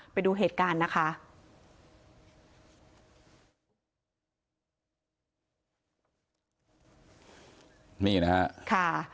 ไปดูเหตุการณ์นะคะ